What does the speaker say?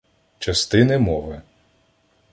Частини мови